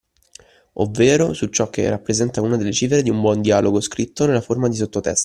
Ovvero su ciò che rappresenta una delle cifre di un buon dialogo scritto nella forma di sottotesto.